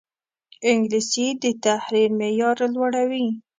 انګلیسي د تحریر معیار لوړوي